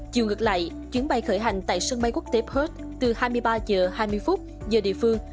chiều ngược lại chuyến bay khởi hành tại sân bay quốc tế perth từ hai mươi ba h hai mươi giờ địa phương